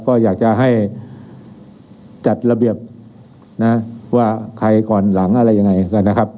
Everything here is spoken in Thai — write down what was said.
ก็อยากจะให้จัดระเบียบนะว่าใครก่อนหลังอะไรยังไงกันนะครับ